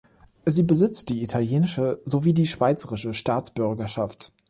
Sie besitzt die italienische sowie die schweizerische Staatsbürgerschaft.